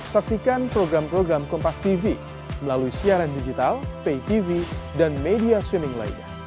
saksikan program program kompas tv melalui siaran digital pay tv dan media switming lainnya